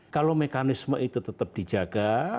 kalau mekanisme itu tetap dijaga